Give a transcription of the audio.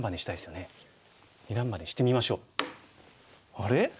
あれ？